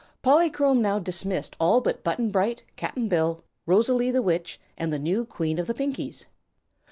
Polychrome now dismissed all but Button Bright, Cap'n Bill, Rosalie the Witch and the new Queen of the Pinkies.